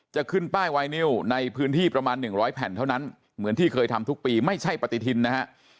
จะขึ้นป้ายไวนิวในพื้นที่ประมาณ๑๐๐แผ่นเท่านั้นเหมือนที่เคยทำทุกปีไม่ใช่ปฏิทินนะฮะ